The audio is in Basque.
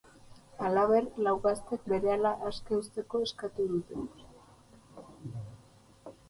Halaber, lau gazteak berehala aske uzteko eskatu dute.